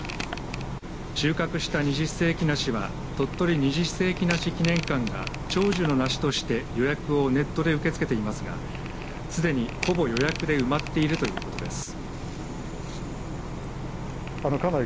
収穫した二十世紀梨は鳥取二十世紀梨記念館が長寿の梨として予約をネットで受け付けていますがすでに、ほぼ予約で埋まっているということです。